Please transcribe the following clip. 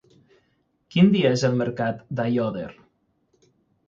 Quin dia és el mercat d'Aiòder?